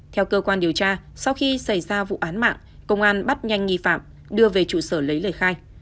theo cơ quan điều tra sau khi xảy ra vụ án mạng công an bắt nhanh nghi phạm đưa về trụ sở lấy lời khai